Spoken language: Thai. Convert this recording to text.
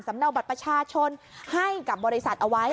เนาบัตรประชาชนให้กับบริษัทเอาไว้